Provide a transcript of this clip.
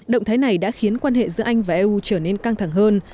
động thái này đã khiến quan hệ giữa anh và eu trở nên căng thẳng hơn